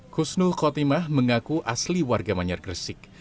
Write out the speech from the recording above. kusnul kotimah mengaku asli warga manyar gresik